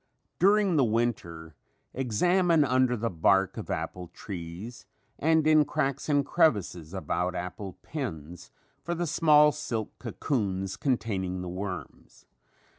During the winter examine under the bark of apple trees and in cracks and crevices about apple pens for the small silk cocoons containing the worms.